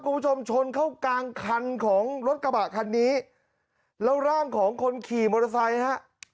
คุณผู้ชมชนเข้ากลางคันของรถกระบะคันนี้แล้วร่างของคนขี่มอเตอร์ไซค์ฮะ